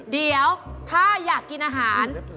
เดี๋ยวถ้าอยากกินอาหาร